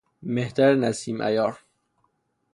مهتر نسیم عیار